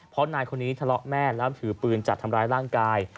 เพราะนายคนนี้ทะเลาะแม่แล้วถือปืนจัดทำร้ายร่างกาย